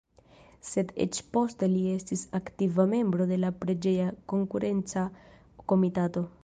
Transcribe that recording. Sed eĉ poste li estis aktiva membro de la preĝeja konkurenca komitato.